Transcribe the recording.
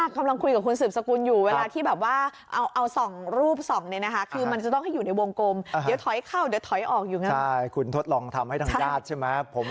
กำลังคุยกับคุณสติบสกุลอยู่เวลาที่เอารูปส่องเลยนะครับ